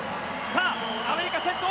さあアメリカ先頭！